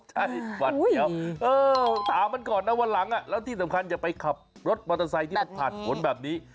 ใช่หวัดเสียวถามมันก่อนนะวันหลังแล้วที่สำคัญอย่าไปขับรถมอเตอร์ไซค์ที่มันผ่านผลแบบนี้